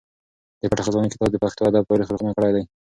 د پټې خزانې کتاب د پښتو ادب تاریخ روښانه کړی دی.